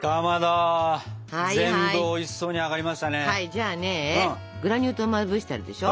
じゃあねグラニュー糖まぶしてあるでしょ？